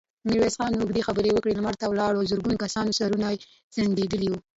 ميرويس خان اوږدې خبرې وکړې، لمر ته د ولاړو زرګونو کسانو سرونه ځړېدلي وو.